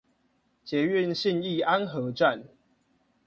捷運信義安和站